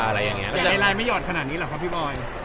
ไลน์ไม่หยอดขนาดนี้หรอครับพี่บอย